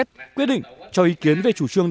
cuộc quốc sẽ xem xét quyết định cho ý kiến về chủ trường